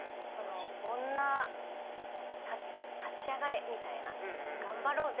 女たち立ち上がれ！みたいな頑張ろうぜ！